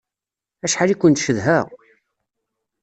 Acḥal i kent-cedhaɣ!